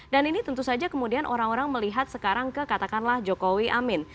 dan ini tentu saja kemudian orang orang melihat sekarang ke katakanlah jokowi amin